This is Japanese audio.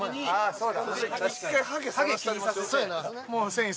そうだ